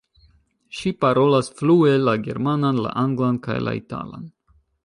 Ŝi parolas flue la germanan, la anglan kaj la italan.